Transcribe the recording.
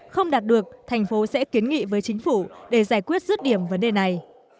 không đạt được thành phố sẽ kiến nghị với chính phủ để giải quyết rứt điểm vấn đề này